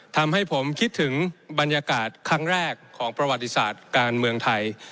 ทำให้ผมคิดถึงบรรยากาศครั้งแรกของประวัติศาสตร์การเมืองไทย